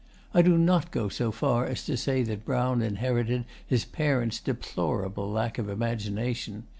I do not go so far as to say that Brown inherited his parents' deplorable lack of imagination.